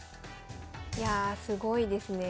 いやあすごいですね。